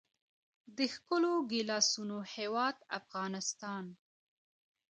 د ښکلو ګیلاسونو هیواد افغانستان.